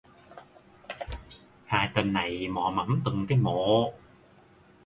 Hai tên này mò mẫm từng cái mộ